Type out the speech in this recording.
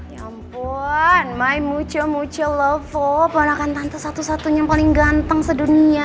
ya ampun my mucho mucho lovo pemanahkan tante satu satunya yang paling ganteng sedunia